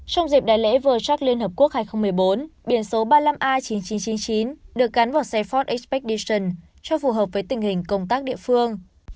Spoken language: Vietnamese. trong dịp đại lễ vừa chắc liên hợp quốc hai nghìn một mươi bốn biển số ba mươi năm a chín nghìn chín trăm chín mươi chín được gắn vào xe ford expedition cho phù hợp với tình hình công tác địa phương